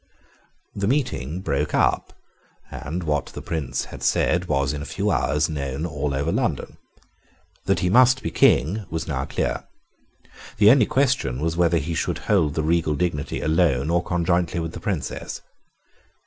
The meeting broke up; and what the Prince had said was in a few hours known all over London. That he must be King was now clear. The only question was whether he should hold the regal dignity alone or conjointly with the Princess.